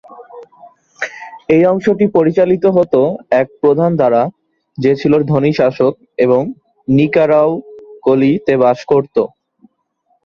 এই অংশটি পরিচালিত হত এক প্রধান দ্বারা যে ছিল ধনী শাসক এবং নিকারাওকলি-তে বাস করত।